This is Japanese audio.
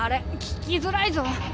聞きづらいぞ。